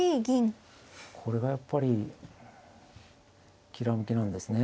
これがやっぱりきらめきなんですね。